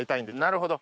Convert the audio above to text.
なるほど。